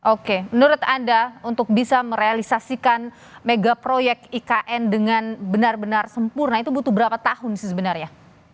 oke menurut anda untuk bisa merealisasikan mega proyek ikn dengan benar benar sempurna itu butuh berapa tahun sih sebenarnya